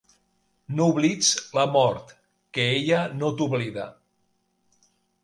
No oblits la mort, que ella no t'oblida.